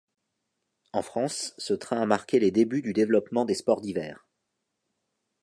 En France, ce train a marqué les débuts du développement des sports d’hiver.